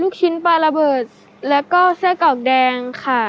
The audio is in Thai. ลูกชิ้นปลาระเบิดแล้วก็เส้นเกาะแดงค่ะ